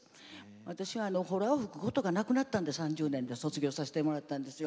私は、ほらを吹くことがなくなったので、３０年で卒業させてもらったんですよ。